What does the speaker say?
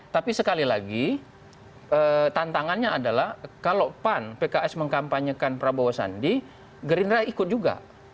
tapi sekali lagi tantangannya adalah kalau pan pks mengkampanyekan prabowo sandi gerindra ikut juga